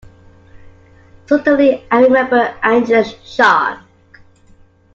Certainly I remembered Angela's shark.